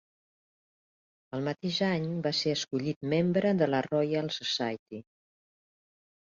El mateix any va ser escollit membre de la Royal Society.